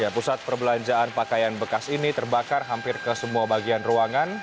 pusat perbelanjaan pakaian bekas ini terbakar hampir ke semua bagian ruangan